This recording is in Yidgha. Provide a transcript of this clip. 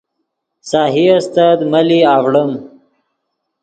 سہی استت ملی آڤڑیم